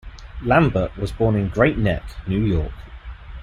Lambert was born in Great Neck, New York.